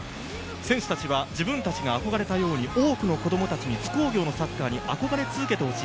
選手たち、自分たちが憧れたように多くの子供たちに津工業のサッカーに憧れ続けてほしい。